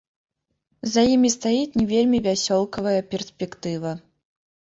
За імі стаіць не вельмі вясёлкавая перспектыва.